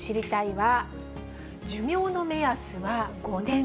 は、寿命の目安は５年。